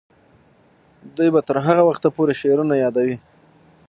دوی به تر هغه وخته پورې شعرونه یادوي.